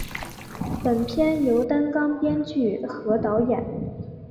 本片由担纲编剧和导演。